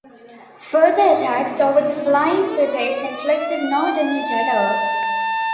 Further attacks over the following two days inflicted no damage at all.